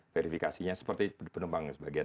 verifikasinya seperti penumpang sebagian